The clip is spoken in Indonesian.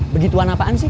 begituan apaan sih